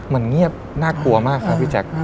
มันเงียบน่ากลัวมากครับพี่แจ๊ค